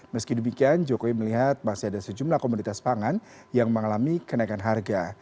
meski demikian jokowi melihat masih ada sejumlah komunitas pangan yang mengalami kenaikan harga